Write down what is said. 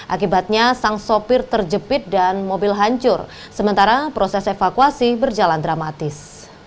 akibatnya sang sopir terjepit dan mobil hancur sementara proses evakuasi berjalan dramatis